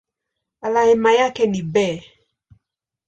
Alama yake ni Be.